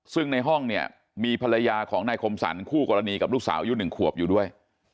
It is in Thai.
ซึ่งในห้องเนี่ยมีภรรยาของนายคมสรรคู่กรณีกับลูกสาวอายุ๑ขวบอยู่ด้วย